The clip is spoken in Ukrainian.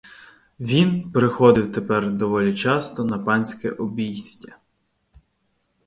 Він приходив тепер доволі часто на панське обійстя.